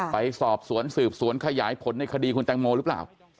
ไปสอบสวนสืบสวนขยายผลในคดีคุณแตงโมหรือเปล่า